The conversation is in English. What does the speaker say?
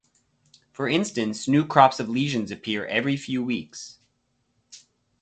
For instance, new crops of lesions appear every few weeks.